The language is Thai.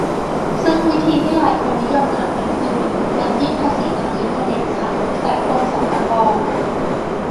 ซึ่งวิธีที่หลายคนนิยมทำกันคือ การยื่นภาษีทางอินเทอร์เน็ตผ่านเว็บไซต์กรมสรรพากร